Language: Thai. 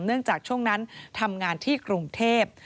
เนื่องจากช่วงนั้นทำงานที่กรุงเทพฯ